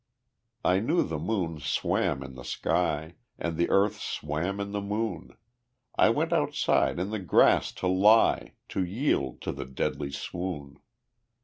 I knew the moon swam in the sky, And the earth swam in the moon; I went outside in the grass to lie, To yield to the deadly swoon.